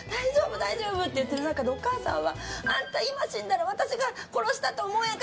大丈夫？って言ってる中でお母さんは、あんた今死んだら私が殺したと思われるやんか！